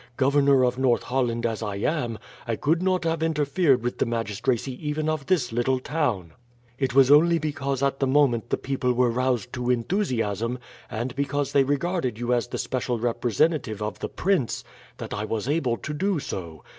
Governor of North Holland as I am, I could not have interfered with the magistracy even of this little town. It was only because at the moment the people were roused to enthusiasm, and because they regarded you as the special representative of the prince, that I was able to do so.